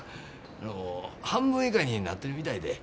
あの半分以下になってるみたいで。